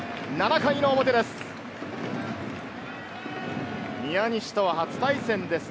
７回の表です。